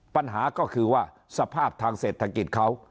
ปัญหาก็คือว่าสภาพทางเศรษฐกิจเขา